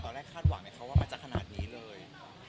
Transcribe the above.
ตอนแรกคาดหวังไหมครับว่ามันจะขนาดนี้เลย